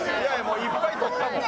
いっぱい撮ったもん。